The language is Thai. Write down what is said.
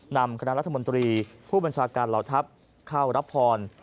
นำคณะรัฐมนตรีผู้บัญชาการเหล่าทัพเข้ารับพร